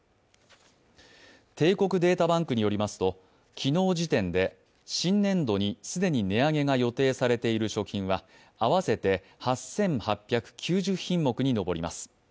帝国データバンクによりますと昨日時点で新年度に既に値上げが予定されている食品は合わせて８８９０品目に上ります。